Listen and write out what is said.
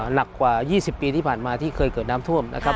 หนักกว่า๒๐ปีที่ผ่านมาที่เคยเกิดน้ำท่วมนะครับ